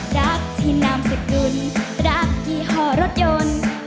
รักที่นามสกุลรักยี่ห่อรถยนต์